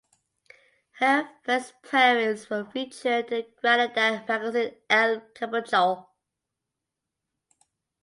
Her first poems were featured in the Granadan magazine "El Capricho".